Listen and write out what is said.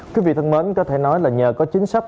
quý vị thân mến có thể nói là nhờ có chính sách